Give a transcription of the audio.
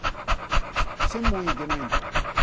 専門医でないんだもの。